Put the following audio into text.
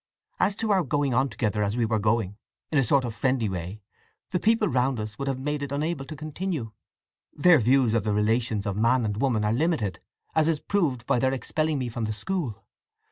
As to our going on together as we were going, in a sort of friendly way, the people round us would have made it unable to continue. Their views of the relations of man and woman are limited, as is proved by their expelling me from the school.